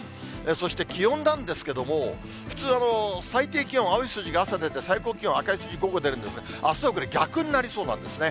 そして気温なんですけども、普通、最低気温、青い数字が朝出て、最高気温、赤い数字、午後出るんですが、あすはこれ、逆になりそうなんですね。